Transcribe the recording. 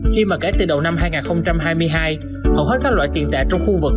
khi mà kể từ đầu năm hai nghìn hai mươi hai hầu hết các loại tiền tệ trong khu vực